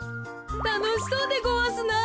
たのしそうでごわすな。